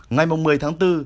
ngày một mươi tháng bốn